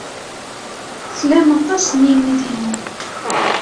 Tlam aṭas n yimidiwen.